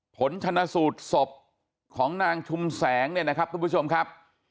ผลชนะสูตรศพของนางชุมแสงเนี่ยนะครับทุกผู้ชมครับ